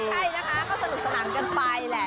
ใช่นะคะก็สนุกสนานกันไปแหละ